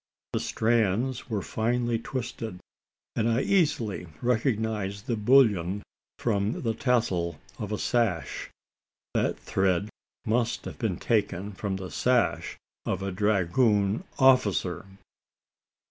The strands were finely twisted; and I easily recognised the bullion from the tassel of a sash. That thread must have been taken from the sash of a dragoon officer!